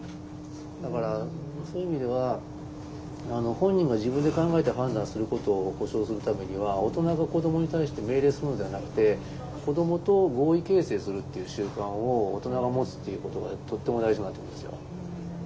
だからそういう意味では本人が自分で考えて判断することを保障するためには大人が子どもに対して命令するのではなくて子どもと合意形成するっていう習慣を大人が持つっていうことがとっても大事になってくるんですよ。